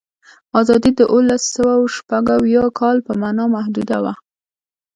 آزادي د اوولسسوهشپږاویا کال په معنا محدوده وه.